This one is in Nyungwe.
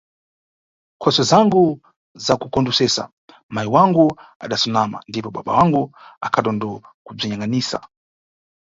Nkhosuwe zangu zakukondwesesa, mayi wangu adasunama ndipo babangu akhatondokubziyangʼanisa.